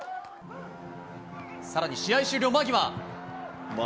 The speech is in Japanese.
さらに試合終了間際。